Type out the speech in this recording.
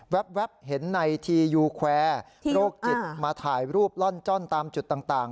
เห็นในทียูแควร์โรคจิตมาถ่ายรูปล่อนจ้อนตามจุดต่าง